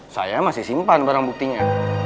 saya masih simpan barang buktinya